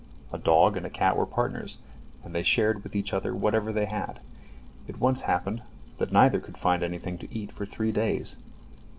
A dog and a cat were partners, and they shared with each other whatever they had. It once happened that neither could find anything to eat for three days.